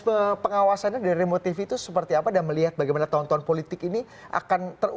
berarti sebuah hak